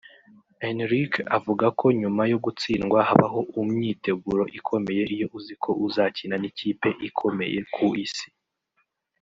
Enrique avuga ko nyuma yo gutsindwa habaho umyiteguro ikomeye iyo uzi ko uzakina n’ikipe ikomeye ku Isi